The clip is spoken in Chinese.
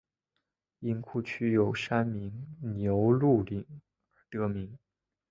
因库区有山名牛路岭而得名。